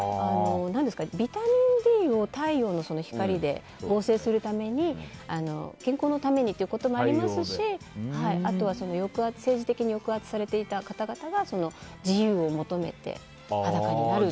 ビタミンＤを太陽の光で合成するために健康のためにということもありますしあとは政治的に抑圧されていた方々が自由を求めて裸になるという。